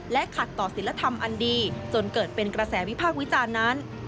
ขัดต่อศิลธรรมอันดีจนเกิดเป็นกระแสวิพากษ์วิจารณ์นั้น